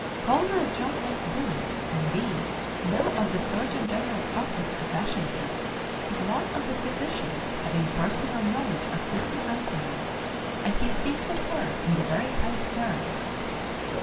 Colonel John S. Billings, M. D., now of the Surgeon General's office at Washington, is one of the physicians having personal knowledge of Sister Anthony, and he speaks of her in the very highest terms.